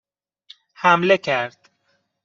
حمله کرد